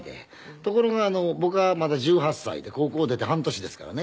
ところが僕がまだ１８歳で高校出て半年ですからね。